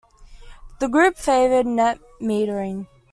The group favored net metering.